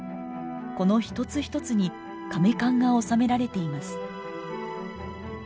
この一つ一つにかめ棺が収められています。